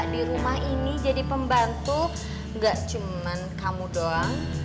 di rumah ini jadi pembantu gak cuman kamu doang